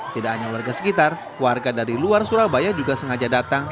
tidak hanya warga sekitar warga dari luar surabaya juga sengaja datang